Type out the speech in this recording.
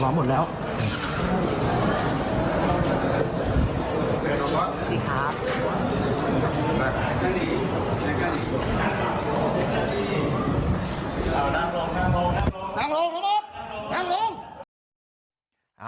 นั่งลงนั่งลงนั่งลง